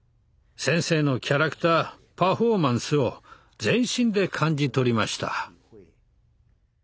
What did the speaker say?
先生のキャラクターパフォーマンスを全身で感じ取りました。